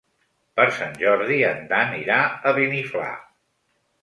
Per Sant Jordi en Dan irà a Beniflà.